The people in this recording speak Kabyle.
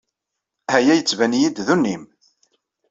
Aya yettban-iyi-d d unnim.